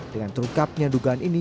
dengan terungkapnya dugaan ini